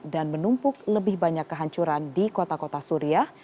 dan menumpuk lebih banyak kehancuran di kota kota suriah